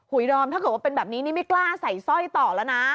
ดอมถ้าเกิดว่าเป็นแบบนี้นี่ไม่กล้าใส่สร้อยต่อแล้วนะ